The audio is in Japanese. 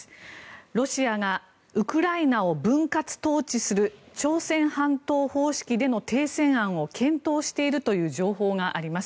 ロシアがウクライナを分割統治する朝鮮半島方式での停戦案を検討しているという情報があります。